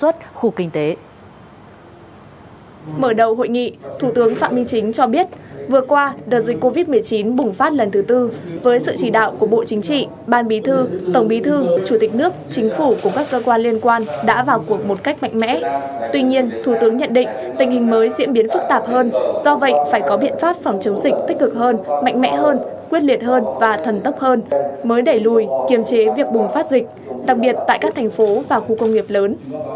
tuy nhiên thủ tướng nhận định tình hình mới diễn biến phức tạp hơn do vậy phải có biện pháp phòng chống dịch tích cực hơn mạnh mẽ hơn quyết liệt hơn và thần tốc hơn mới để lùi kiềm chế việc bùng phát dịch đặc biệt tại các thành phố và khu công nghiệp lớn